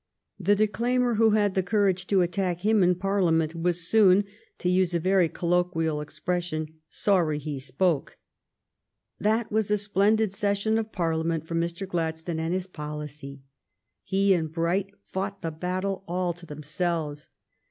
The declaimer who had the courage to attack him in Parliament was soon, to use a very colloquial expression, sorry he spoke. That was a splendid session of Parliament for Mr. Gladstone and his policy. He and Bright fought the battle all to themselves.